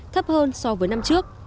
thấp hơn so với năm trước